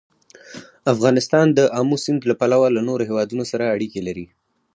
افغانستان د آمو سیند له پلوه له نورو هېوادونو سره اړیکې لري.